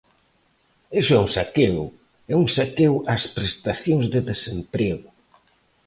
Iso é un saqueo, é un saqueo ás prestacións de desemprego.